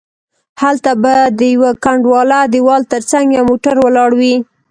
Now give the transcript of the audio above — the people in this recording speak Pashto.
هلته به د یوه کنډواله دیوال تر څنګه یو موټر ولاړ وي.